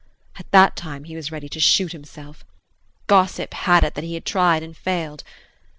At that time he was ready to shoot himself. Gossip had it that he had tried and failed.